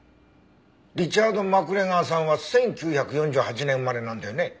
リチャード・マクレガーさんは１９４８年生まれなんだよね？